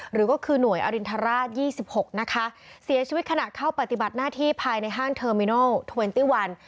หรือก็คือหน่วยอรินทราช๒๖นะคะเสียชีวิตขณะเข้าปฏิบัติหน้าที่ภายในห้างเทอร์มินัลเทอร์เวนตี้วัน